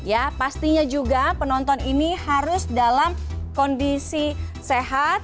ya pastinya juga penonton ini harus dalam kondisi sehat